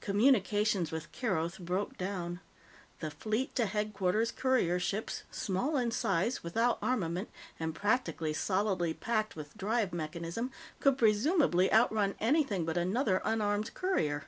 Communications with Keroth broke down. The Fleet to Headquarters courier ships, small in size, without armament, and practically solidly packed with drive mechanism, could presumably outrun anything but another unarmed courier.